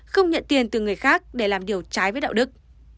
không nhận tiền từ người khác để làm điều trái với đạo đức